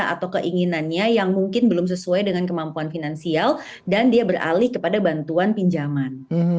atau keinginannya yang mungkin belum sesuai dengan kemampuan finansial dan dia beralih kepada bantuan pinjaman